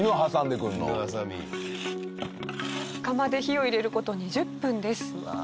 窯で火を入れる事２０分です。